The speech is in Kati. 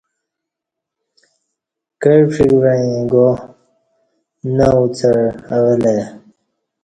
کع پݜیک وعیں گا نہ اُڅع اوہ لہ ای